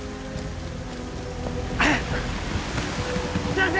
先生！